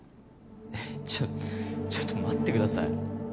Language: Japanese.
えっちょちょっと待ってください